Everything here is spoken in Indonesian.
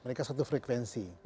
mereka satu frekuensi